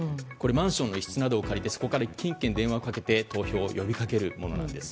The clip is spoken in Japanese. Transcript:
マンションの一室などを借りて１軒１軒電話をかけて投票を呼びかけるものなんです。